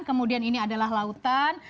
kemudian ini adalah lautan